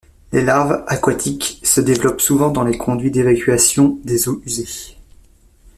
Les larves, aquatiques, se développent souvent dans les conduits d’évacuation des eaux usées.